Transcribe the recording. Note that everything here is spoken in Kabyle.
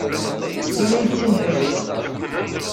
Tama n tsumta-w.